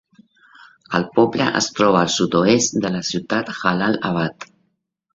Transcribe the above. El poble es troba al sud-oest de la ciutat Jalal-Abad.